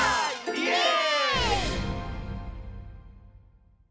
イエーイ！